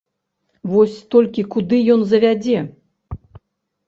Вось толькі куды ён завядзе?